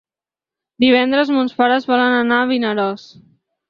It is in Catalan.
Divendres mons pares volen anar a Vinaròs.